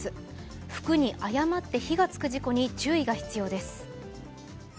服に誤って火が付く事故に注意が必要です。